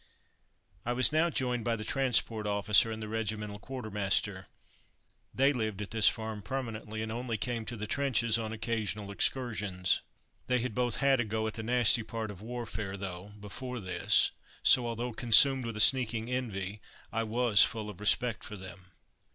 I was now joined by the transport officer and the regimental quartermaster. They lived at this farm permanently, and only came to the trenches on occasional excursions. They had both had a go at the nasty part of warfare though, before this, so although consumed with a sneaking envy, I was full of respect for them.